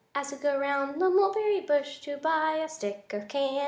As we go 'round the mulberry bush To buy a stick of candy."